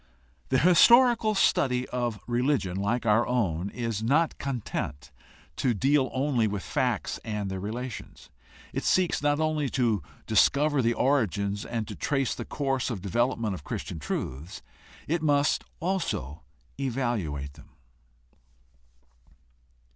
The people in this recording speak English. The historical study of a religion like our own is not content to deal only with facts and their relations. It seeks not only to discover the origins and to trace the course of development of Christian truths; it must also evaluate them.